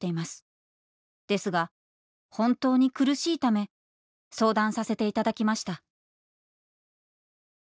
ですが本当に苦しいため相談させていただきました」。